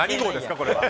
これは。